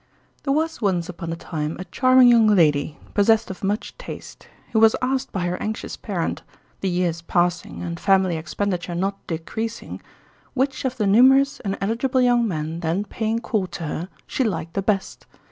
THERE was once upon a time a charming young lady, possessed of much taste, who was asked by her anxious parent, the years passing and family expenditure not decreasing, which of the numerous and eligible young men then paying court to her she liked the best.